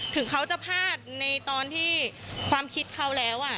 ถึงเขาจะพลาดในตอนที่ความคิดเขาแล้ว